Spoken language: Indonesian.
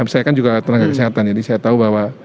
saya kan juga tenaga kesehatan jadi saya tahu bahwa